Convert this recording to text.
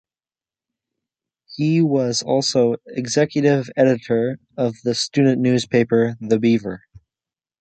He was also executive editor of the student newspaper, The Beaver.